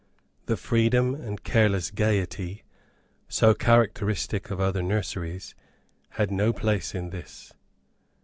The freedom and careless gayety, so characteristic of other nurseries, had no place in this.